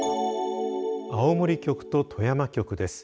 青森局と富山局です。